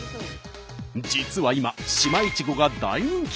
実は今島イチゴが大人気。